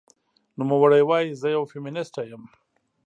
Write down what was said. نوموړې وايي، "زه یوه فېمینیسټه یم